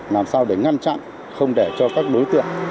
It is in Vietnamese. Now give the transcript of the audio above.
làm sao để ngăn chặn không để cho các đối tượng